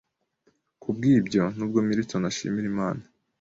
Kubwibyo, nubwo Milton ashimira Imana